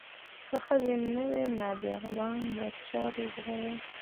که ښځې نه وای دا نابغه ګان به چا روزلي وی.